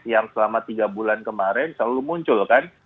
yang terjadi dalam tiga bulan kemarin selalu muncul kan